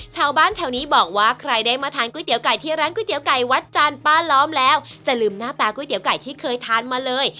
ชาวบ้านแถวนี้บอกว่าใครได้มาทานก๋วยเตี๋ยไก่ที่ร้านก๋วยเตี๋ยวไก่วัดจานป้าล้อมแล้วจะลืมหน้าตาก๋วไก่ที่เคยทานมาเลย